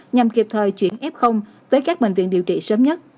nhằm kịp thời chuyển f tới các bệnh viện điều trị sớm nhất